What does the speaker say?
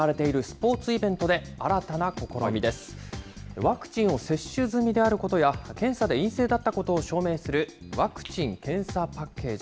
ワクチンを接種済みであることや、検査で陰性だったことを証明するワクチン・検査パッケージ。